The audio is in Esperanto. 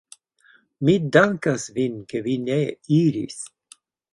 Mi dankas vin, ke vi ne iris!